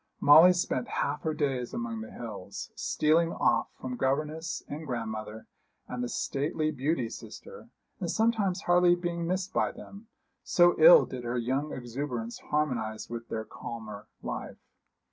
Molly spent half her days among the hills, stealing off from governess and grandmother and the stately beauty sister, and sometimes hardly being missed by them, so ill did her young exuberance harmonise with their calmer life.